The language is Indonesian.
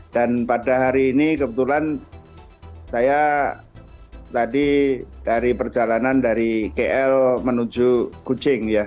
dan pada hari ini kebetulan saya tadi dari perjalanan dari kl menuju kucing ya